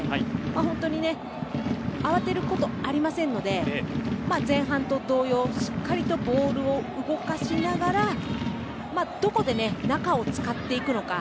本当に慌てることありませんので前半と同様しっかりボールを動かしながらどこで中を使っていくのか。